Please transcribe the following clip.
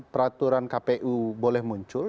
peraturan kpu boleh muncul